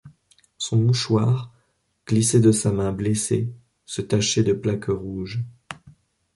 Son mouchoir, glissé de sa main blessée, se tachait de plaques rouges.